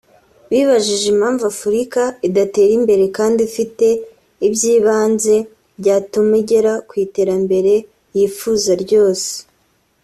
bibajije impamvu Afurika idatera imbere kandi ifite iby’ibanze byatuma igera ku iterambere yifuza ryose